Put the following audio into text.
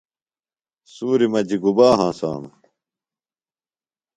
سُوری مجیۡ گُبا ہنسانوۡ؟